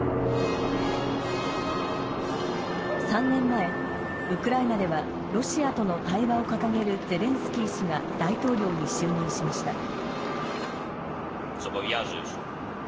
３年前、ウクライナではロシアとの対話を掲げるゼレンスキー氏が大統領に就任しました。